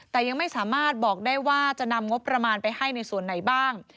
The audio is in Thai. แต่ยังไม่สามารถบอกได้ว่าจะนำงบประมาณไปให้ในส่วนไหนบ้าง